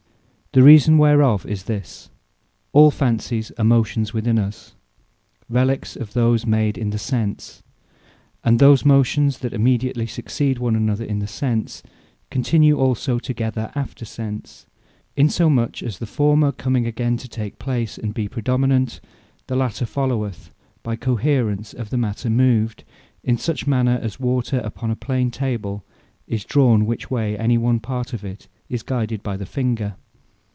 The reason whereof is this. All Fancies are Motions within us, reliques of those made in the Sense: And those motions that immediately succeeded one another in the sense, continue also together after Sense: In so much as the former comming again to take place, and be praedominant, the later followeth, by coherence of the matter moved, is such manner, as water upon a plain Table is drawn which way any one part of it is guided by the finger.